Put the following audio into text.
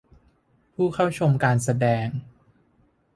ผู้เข้าชมการแสดง